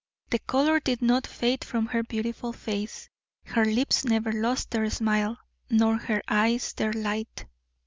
The color did not fade from her beautiful face; her lips never lost their smile, nor her eyes their light.